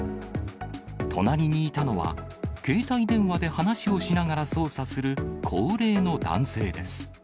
隣にいたのは、携帯電話で話をしながら操作する高齢の男性です。